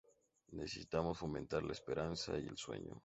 Necesitamos fomentar la esperanza y el sueño.